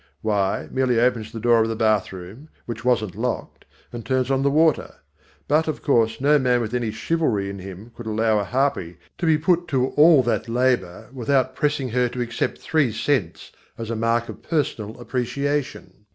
Why, merely opens the door of the bathroom, which wasn't locked, and turns on the water. But, of course, no man with any chivalry in him could allow a harpy to be put to all that labour without pressing her to accept three cents as a mark of personal appreciation.